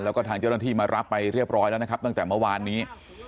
แล้วก็ทางเจ้าหน้าที่มารับไปเรียบร้อยแล้วนะครับตั้งแต่เมื่อวานนี้